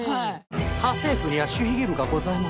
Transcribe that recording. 家政婦には守秘義務がございます。